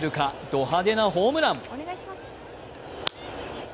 ド派手なホームラン。